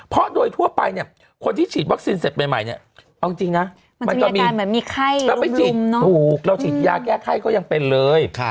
เพราะโดยทั่วไปเนี่ยคนที่ฉีดวัคซีนเสร็จใหม่เนี่ยเอาจริงนะมันก็มีไข้แล้วไปฉีดถูกเราฉีดยาแก้ไข้ก็ยังเป็นเลย